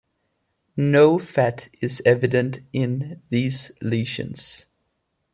No fat is evident in these lesions.